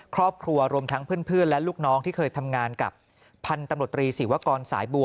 ครอบครัวรวมทั้งเพื่อนและลูกน้องที่เคยทำงานกับพันธนตรีศิวากรสายบัว